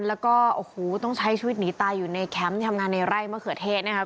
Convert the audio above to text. แล้วก็โอ้โหต้องใช้ชีวิตหนีตายอยู่ในแคมป์ทำงานในไร่มะเขือเทศนะครับ